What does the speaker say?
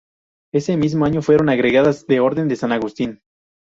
Ese mismo año fueron agregadas de Orden de San Agustín.